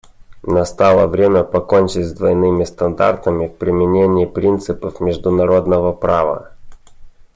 Настало время покончить с двойными стандартами в применении принципов международного права.